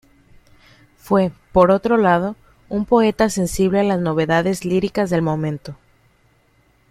Fue, por otro lado, un poeta sensible a las novedades líricas del momento.